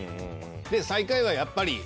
で最下位はやっぱり。